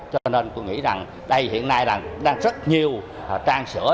cho nên tôi nghĩ rằng đây hiện nay là đang rất nhiều trang sữa